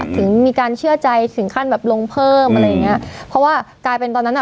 ถึงมีการเชื่อใจถึงขั้นแบบลงเพิ่มอะไรอย่างเงี้ยเพราะว่ากลายเป็นตอนนั้นอ่ะ